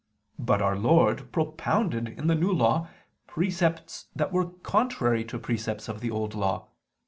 But Our Lord propounded in the New Law precepts that were contrary to precepts of the Old Law.